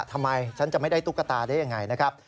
ทำไมฉันจะไม่ได้ตุ๊กตาได้ยังไงนะครับ